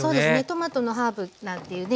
トマトのハーブなんていうね